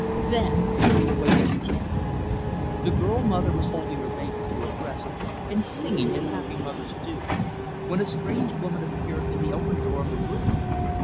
"Then, the awakening came. The girl mother was holding her baby to her breast, and singing, as happy mothers do, when a strange woman appeared in the open door of the room.